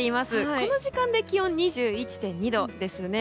この時間で気温２１．２度ですね。